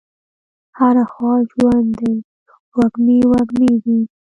هره خوا ژوند دی وږمې، وږمې دي